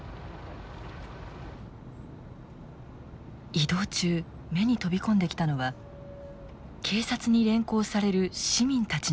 移動中目に飛び込んできたのは警察に連行される市民たちの姿。